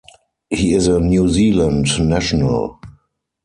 He is a New Zealand national.